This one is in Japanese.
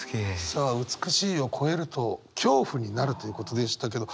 さあ美しいを超えると恐怖になるということでしたけど。